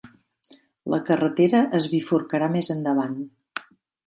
La carretera es bifurcarà més endavant.